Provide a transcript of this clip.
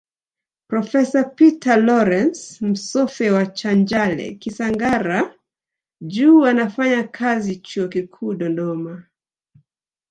Profesa Pater Lawrance Msoffe wa Chanjale Kisangara juu anafanya kazi Chuo Kikuu Dodoma